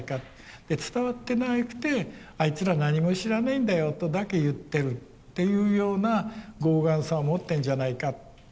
で伝わってなくてあいつら何も知らないんだよとだけ言ってるというような傲岸さを持ってんじゃないかと。